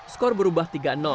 skor berubah tiga